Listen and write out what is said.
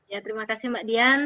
ya terima kasih mbak dian